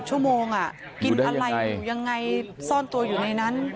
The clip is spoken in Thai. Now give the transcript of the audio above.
ชั่วโมงกินอะไรอยู่ยังไงซ่อนตัวอยู่ในนั้น